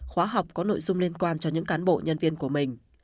khóa học có nội dung liên quan cho những cán bộ nhân viên của mình